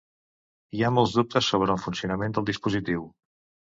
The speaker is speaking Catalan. Hi ha molts dubtes sobre el funcionament del dispositiu.